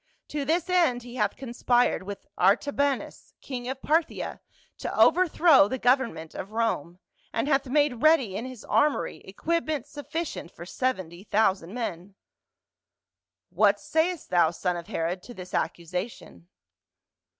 To this end he hath conspired with Artabanus, king of Parthia, to overthrow the govern 164 PA UL. ment of Rome, and hath made ready in his armory equipment sufficient for seventy thousand men.' What sayest thou, son of Herod, to this accusation?"